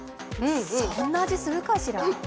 そんな味、するかしら。